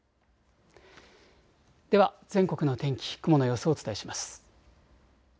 では全国の天気、雲の様子をお伝えします。